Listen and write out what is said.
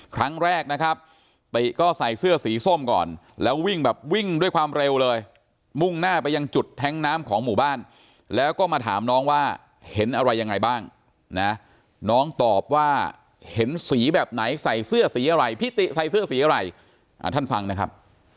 ครั้งแรกนะครับติก็ใส่เสื้อสีส้มก่อนแล้ววิ่งแบบวิ่งด้วยความเร็วเลยมุ่งหน้าไปยังจุดแท้งน้ำของหมู่บ้านแล้วก็มาถามน้องว่าเห็นอะไรยังไงบ้างนะน้องตอบว่าเห็นสีแบบไหนใส่เสื้อสีอะไรพี่ติใส่เสื้อสีอะไรท่านฟังนะครับ